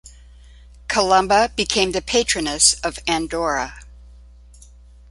Columba became the patroness of Andorra.